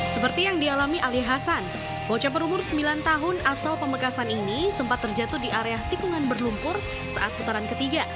seperti yang dialami ali hasan bocah berumur sembilan tahun asal pamekasan ini sempat terjatuh di area tikungan berlumpur saat putaran ketiga